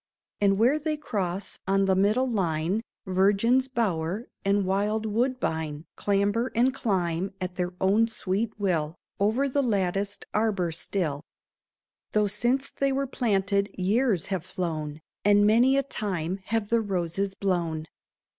And, where they cross on the middle line, Virgin's bower and wild woodbine Clamber and climb at their own sweet will Over the latticed arbor still ; Though since they were planted years have flown. And many a time have the roses blown.